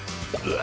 あ！